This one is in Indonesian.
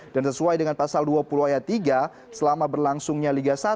dan sesuai dengan pasal dua puluh ayat tiga selama berlangsungnya liga satu